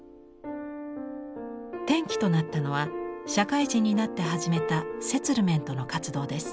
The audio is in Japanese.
転機となったのは社会人になって始めたセツルメントの活動です。